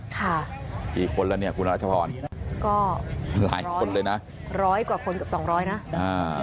ค่ะกี่คนแล้วเนี่ยคุณรัชพรก็หลายคนเลยนะร้อยกว่าคนเกือบสองร้อยนะอ่า